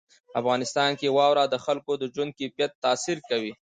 افغانستان کې واوره د خلکو د ژوند کیفیت تاثیر کوي.